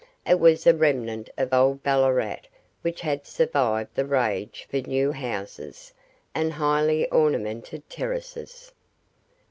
It was a remnant of old Ballarat which had survived the rage for new houses and highly ornamented terraces.